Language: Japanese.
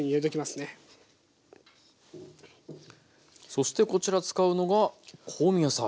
そしてこちら使うのが香味野菜。